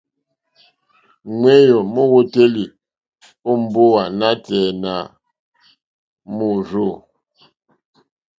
Ŋwéyò mówǒtélì ó mbówà nǎtɛ̀ɛ̀ nà môrzô.